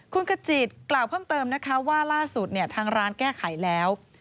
คุณกจิตกล่าวเพิ่มเติมนะคะว่าล่าสุดทางร้านแก้ไขแล้ว